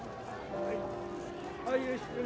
はい。